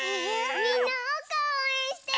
みんなおうかをおうえんしてね！